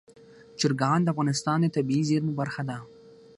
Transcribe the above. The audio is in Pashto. چرګان د افغانستان د طبیعي زیرمو برخه ده.